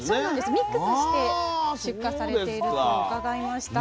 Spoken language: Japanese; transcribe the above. ミックスして出荷されていると伺いました。